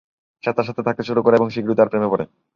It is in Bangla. সে তার সাথে থাকতে শুরু করে এবং শীঘ্রই তার প্রেমে পড়ে।